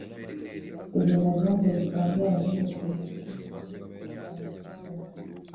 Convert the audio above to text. ibyo na byo ngo bikaba byaravugutiwe Umuti ndetse biranakosorwa